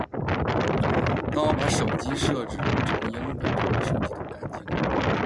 当我把手机语言设置成英文，整个手机都干净了